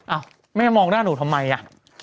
อ้าวแม่มองหน้าหนูทำไมอ่ะ